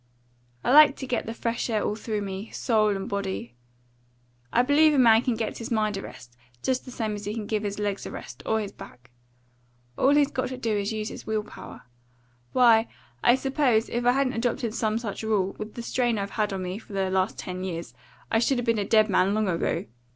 I like to get the fresh air all through me, soul and body. I believe a man can give his mind a rest, just the same as he can give his legs a rest, or his back. All he's got to do is to use his will power. Why, I suppose, if I hadn't adopted some such rule, with the strain I've had on me for the last ten years, I should 'a' been a dead man long ago.